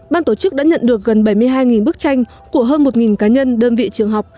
ban tổ chức đã nhận được gần bảy mươi hai bức tranh của hơn một cá nhân đơn vị trường học